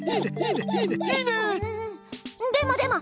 でもでも！